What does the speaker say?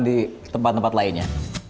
di tempat tempat lainnya